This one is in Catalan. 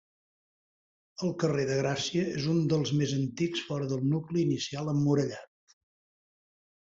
El carrer de Gràcia és un dels més antics fora del nucli inicial emmurallat.